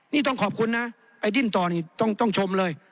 นี่ต้องขอบคุณนะไอ้ดิ้นต่อนี่ต้องชมเลย